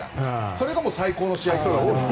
それが最高の試合みたいな。